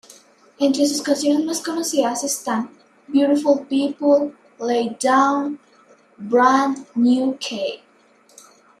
Entre sus canciones más conocidas están "Beautiful People", "Lay Down", "Brand New Key".